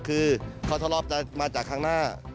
คือเขาทะเลาะกันมาจากข้างหน้า